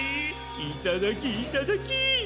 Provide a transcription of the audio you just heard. いただきいただき。